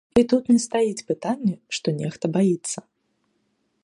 І тут не стаіць пытанне, што нехта баіцца.